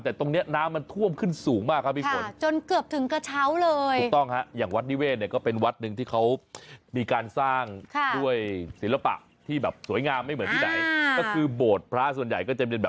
แต่ตรงนี้น้ำมันท่วมขึ้นสูงมากครับพี่ฝน